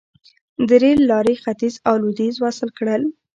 د ریل لارې ختیځ او لویدیځ وصل کړل.